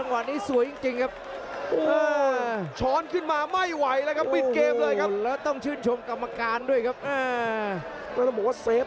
แล้วต้องดูคำจำกรรมการด้วยครับ